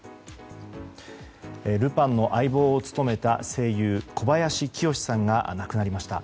ルパンの相棒を務めた声優小林清志さんが亡くなりました。